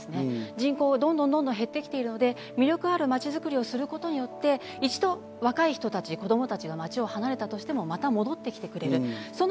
人口がどんどん減ってきているので魅力ある街づくりをすることによって、一度、若い人たち、子供たちが街を離れたとしても、また戻ってきてくれる。